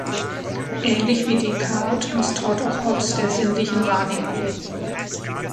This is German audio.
Ähnlich wie Descartes misstraut auch Hobbes der sinnlichen Wahrnehmung.